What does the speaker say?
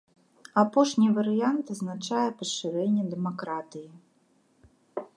Апошні варыянт азначае пашырэнне дэмакратыі.